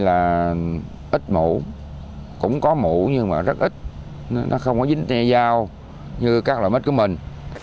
và ít mũ cũng có mũ nhưng mà rất ít nó không có dính theo như các loại mít của mình